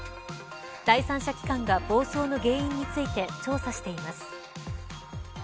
第三者機関が暴走の原因について調査しています。